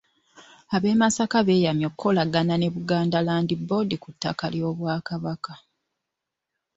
Ab’e Masaka beeyamye okukolagana ne Buganda Land Board ku ttaka ly’obwakabaka.